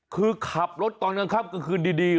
คือขับรถตอนกลางค่ำกลางคืนดี